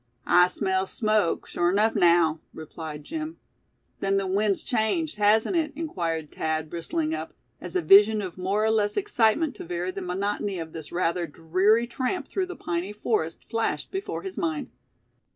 "I smells smoke, sure enuff, naow," replied Jim. "Then the wind's changed, hasn't it?" inquired Thad, bristling up, as a vision of more or less excitement to vary the monotony of this rather dreary tramp through the piney forest flashed before his mind.